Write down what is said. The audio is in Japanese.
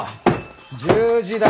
１０時だ！